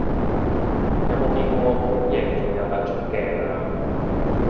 有冇見過管軼仲有得出鏡啊？